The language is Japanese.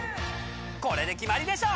これで決まりでしょ！